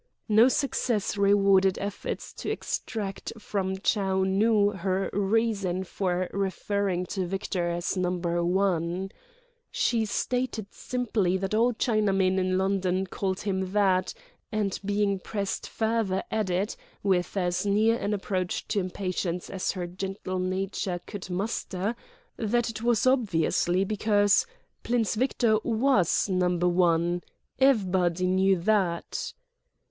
No success rewarded efforts to extract from Chou Nu her reason for referring to Victor as "Number One." She stated simply that all Chinamans in London called him that; and being pressed further added, with as near an approach to impatience as her gentle nature could muster, that it was obviously because Plince Victo' was Numbe' One: ev' body knew that.